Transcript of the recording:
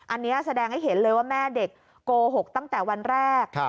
อันนี้แสดงให้เห็นเลยว่าแม่เด็กโกหกตั้งแต่วันแรก